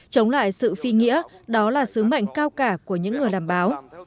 chống lại sự phi nghĩa đó là sứ mệnh cao cả của những người làm báo